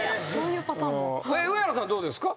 上原さんはどうですか？